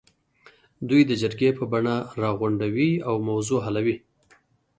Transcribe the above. دوی د جرګې په بڼه راغونډوي او موضوع حلوي.